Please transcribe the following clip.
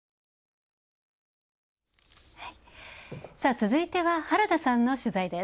続いては、原田さんの取材です。